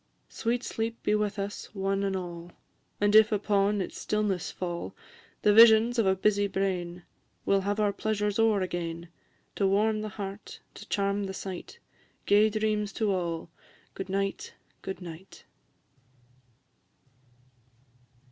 Sweet sleep be with us, one and all! And if upon its stillness fall The visions of a busy brain, We 'll have our pleasure o'er again; To warm the heart, to charm the sight, Gay dreams to all! Good night, good night!